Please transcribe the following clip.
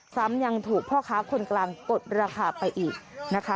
ซ้ำยังถูกพ่อค้าคนกลางกดราคาไปอีกนะคะ